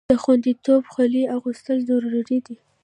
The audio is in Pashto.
د خوندیتوب خولۍ اغوستل ضروري دي.